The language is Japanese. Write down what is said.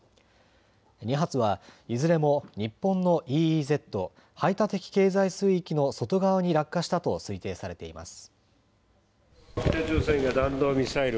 ２発はいずれも日本のＥＥＺ・排他的経済水域の外側に落下したと推定されています。